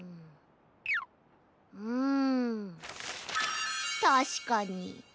うんたしかに。